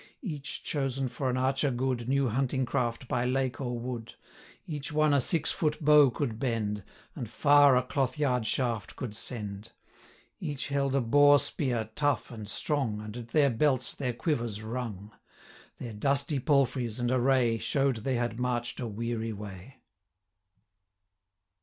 Each, chosen for an archer good, Knew hunting craft by lake or wood; 120 Each one a six foot bow could bend, And far a cloth yard shaft could send; Each held a boar spear tough and strong, And at their belts their quivers rung. Their dusty palfreys, and array, 125 Show'd they had march'd a weary way.